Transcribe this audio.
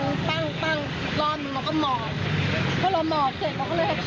แล้วเราก็ล้มแล้วก็มันก็มีจังปั้งปั้งล้อมแล้วก็หมอถ้าเราหมอเสร็จ